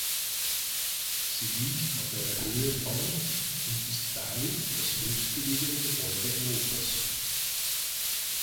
Sie liegt auf einer Höhe von und ist damit das höchstgelegene Gebäude Europas.